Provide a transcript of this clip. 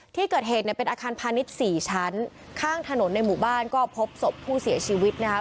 ที่เกิดเหตุเนี่ยเป็นอาคารพาณิชย์สี่ชั้นข้างถนนในหมู่บ้านก็พบศพผู้เสียชีวิตนะครับ